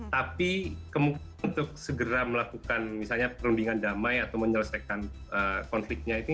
tapi untuk segera melakukan misalnya perundingan damai atau menyelesaikan konfliknya ini masih sulit